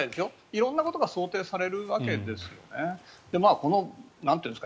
色んなことが想定されるわけですね。